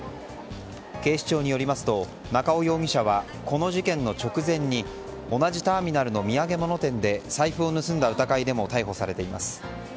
警視庁によりますと中尾容疑者はこの事件の直前に同じターミナルの土産物店で財布を盗んだ疑いでも逮捕されています。